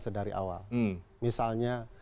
sedari awal misalnya